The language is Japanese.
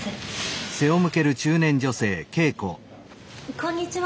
こんにちは！